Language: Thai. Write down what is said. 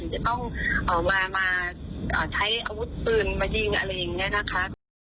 จะต้องมาใช้อาวุธปืนมายิงอะไรอย่างนี้นะคะ